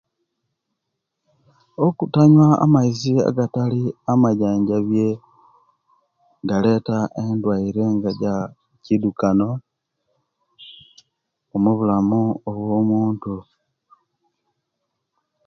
Okutanyiwa amaizi agatali amajanjabye galeta endwaire nga eja kidukano omubulamu obwa muntu